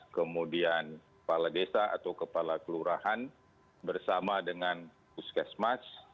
kemudian kepala desa atau kepala kelurahan bersama dengan puskesmas